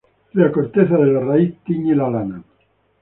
La corteza de la raíz tiñe lana.